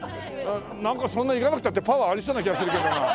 なんかそんな行かなくたってパワーありそうな気がするけどな。